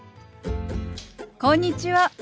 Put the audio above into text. こんにちは。